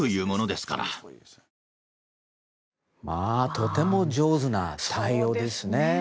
とても上手な対応ですね。